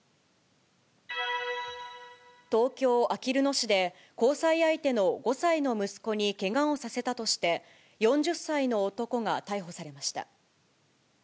東京・あきる野市で、交際相手の５歳の息子にけがをさせたとして、４０歳の男が逮捕されました。